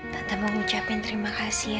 tante mau ucapin terima kasih ya